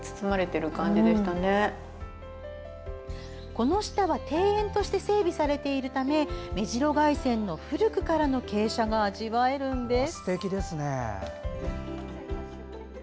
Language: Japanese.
この下は庭園として整備されているため目白崖線の古くからの傾斜が味わえるんです。